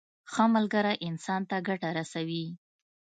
ښه ملګری انسان ته ګټه رسوي.